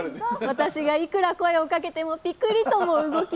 私がいくら声をかけてもピクリとも動きません